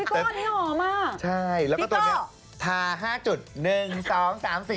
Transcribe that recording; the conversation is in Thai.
พี่โก้นี่หอมอ่ะพี่โก้ใช่แล้วก็ตัวเนี้ยทา๕๑๒๓๔๕อย่างงี้